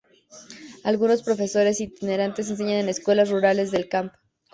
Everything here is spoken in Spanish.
Algunos profesores itinerantes enseñan en escuelas rurales del Camp.